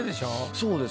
そうです。